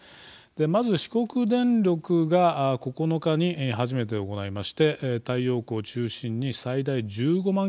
まず四国電力が９日に初めて行いまして太陽光中心に最大１５万